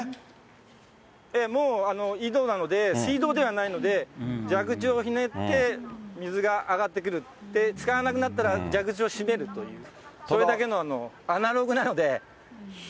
もう井戸なので、水道ではないので、蛇口をひねって水が上がってきて、使わなくなったら蛇口を締めるという、それだけのアナログなので。